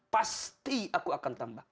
pasti aku akan tambah